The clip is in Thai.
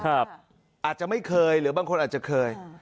อาจจะไม่เคยหรือบางคนอาจจะเคย